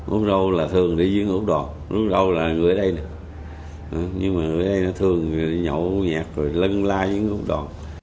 úc râu là thường đi với úc đò úc râu là người ở đây nhưng mà người ở đây nó thường nhậu nhạc rồi lân lai với úc đò